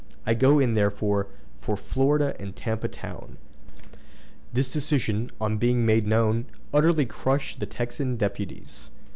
I go in, therefore, for Florida and Tampa Town." This decision, on being made known, utterly crushed the Texan deputies.